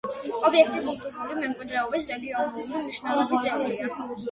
ობიექტი კულტურული მემკვიდრეობის რეგიონული მნიშვნელობის ძეგლია.